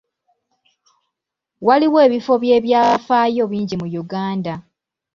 Waliwo ebifo by'ebyafaayo bingi mu Uganda.